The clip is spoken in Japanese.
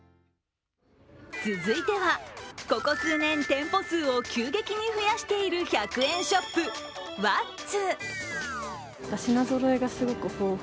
続いては、ここ数年店舗数を急激に増やしている１００円ショップＷａｔｔｓ。